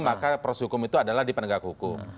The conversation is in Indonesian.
maka perus hukum itu adalah dipandang hukum